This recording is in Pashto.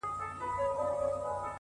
اوس مي حافظه ډيره قوي گلي!